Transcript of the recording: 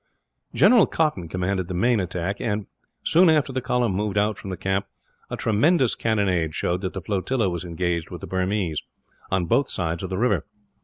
General Cotton commanded the main attack and, soon after the column moved out from the camp, a tremendous cannonade showed that the flotilla was engaged with the Burmese, on both sides of the river.